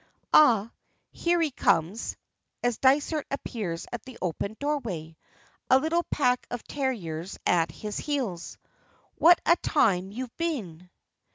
"Ah! Here he comes," as Dysart appears at the open doorway, a little pack of terriers at his heels. "What a time you've been!"